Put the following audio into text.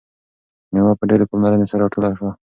میوه په ډیرې پاملرنې سره راټوله شوه.